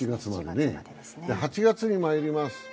８月にまいります。